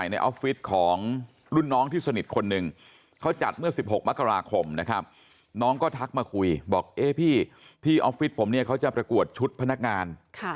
ออฟฟิศของรุ่นน้องที่สนิทคนหนึ่งเขาจัดเมื่อ๑๖มกราคมนะครับน้องก็ทักมาคุยบอกเอ๊ะพี่ออฟฟิศผมเนี่ยเขาจะประกวดชุดพนักงาน